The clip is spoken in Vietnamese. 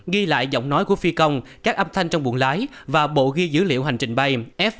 ghi lại giọng nói của phi công các âm thanh trong buồng lái và bộ ghi dữ liệu hành trình bay f